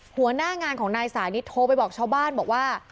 หัวหน้างานของนายสานิทโทรไปบอกชาวบ้านบอกว่า